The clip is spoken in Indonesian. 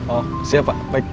oh siap pak baik